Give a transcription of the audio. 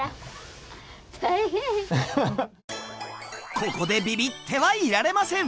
ここでビビってはいられません！